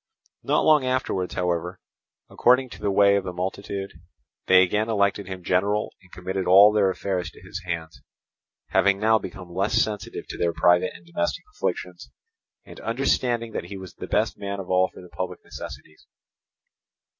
Not long afterwards, however, according to the way of the multitude, they again elected him general and committed all their affairs to his hands, having now become less sensitive to their private and domestic afflictions, and understanding that he was the best man of all for the public necessities.